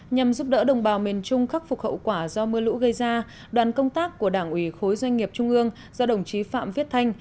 nhằm giúp đỡ đồng bào miền trung khắc phục hậu quả do mưa lũ gây ra đoàn công tác của đảng ủy khối doanh nghiệp trung ương do đồng chí phạm viết thanh